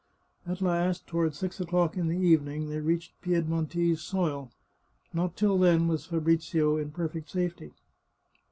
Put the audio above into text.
At last, toward six o'clock in the evening, they reached Piedmontese soil. Not till then was Fabrizio in perfect safety.